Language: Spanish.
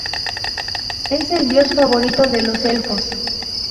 Es el dios favorito de los elfos.